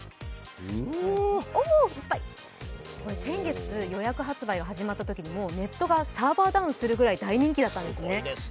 先月、予約発売が始まったときにネットがサーバーダウンするぐらい大人気だったんです。